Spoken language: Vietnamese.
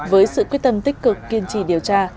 với sự quyết tâm tích cực kiên trì điều tra